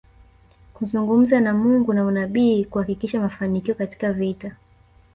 Kuzungumza na Mungu na unabii kuhakikisha mafanikio katika vita